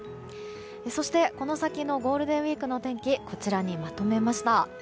そして、この先のゴールデンウィークの天気をこちらにまとめました。